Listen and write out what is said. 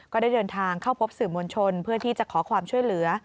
ก็ได้เดินทางเข้าพบสื่อมวลชนเพื่อที่จะขอความช่วยเหลือ